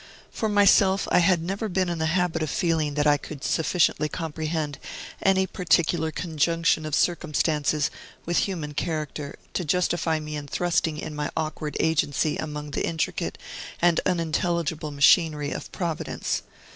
For myself, I had never been in the habit of feeling that I could sufficiently comprehend any particular conjunction of circumstances with human character, to justify me in thrusting in my awkward agency among the intricate and unintelligible machinery of Providence.